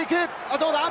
どうだ？